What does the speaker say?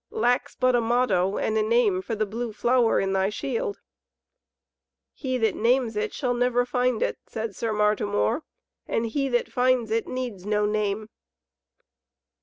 Lacks but a motto and a name for the Blue Flower in thy shield." "He that names it shall never find it," said Sir Martimor, "and he that finds it needs no name."